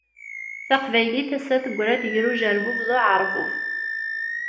Taqbaylit ass-a tegra-d gar ujerbub d uεerbub.